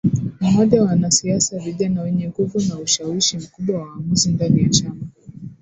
mmoja wa wanasiasa vijana wenye nguvu na ushawishi mkubwa wa maamuzi ndani ya Chama